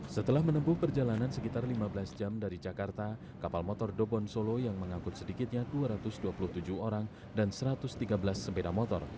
setelah menempuh perjalanan sekitar lima belas jam dari jakarta kapal motor dobon solo yang mengangkut sedikitnya dua ratus dua puluh tujuh orang dan satu ratus tiga belas sepeda motor